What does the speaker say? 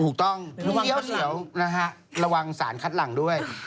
ถูกต้องน้ำเขียวนะฮะระวังสารคัดหลังด้วย